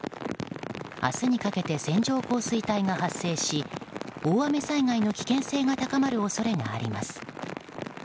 明日にかけて線状降水帯が発生し大雨災害の危険性が高まる恐れがあります。